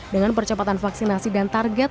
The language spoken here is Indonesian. dengan percepatan vaksinasi dan target